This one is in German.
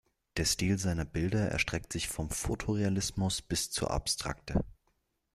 Der Stil seiner Bilder erstreckt sich vom Fotorealismus bis zur Abstrakte.